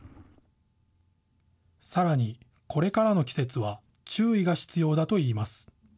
さらに、これからの季節は注意が必要だといいます。